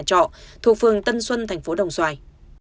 trọ thuộc phường tân xuân thành phố đồng xoài